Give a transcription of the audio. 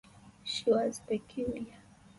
She was peculiar.